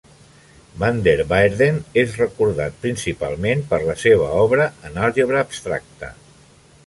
Van der Waerden és recordat principalment per la seva obra en àlgebra abstracta.